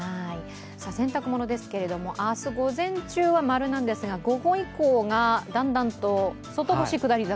洗濯物ですけれども、明日午前中は○なんですが午後以降がだんだんと外干し下り坂。